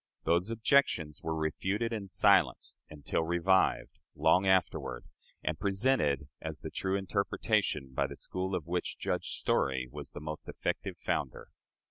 Those objections were refuted and silenced, until revived, long afterward, and presented as the true interpretation, by the school of which Judge Story was the most effective founder.